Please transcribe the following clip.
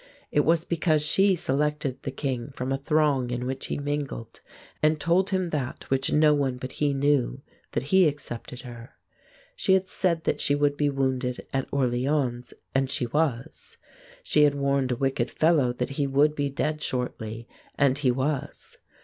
It was because she selected the king from a throng in which he mingled and told him that which no one but he knew that he accepted her. She had said that she would be wounded at Orléans and she was. She had warned a wicked fellow that he would be dead shortly and he was.